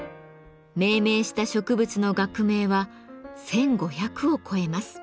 命名した植物の学名は１，５００を超えます。